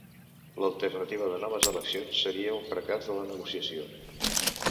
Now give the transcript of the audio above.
l'alternativa de noves eleccions seria un fracàs de la negociació